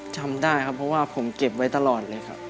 จำได้ผมแต่เขียนไว้ตลอดเลยครับ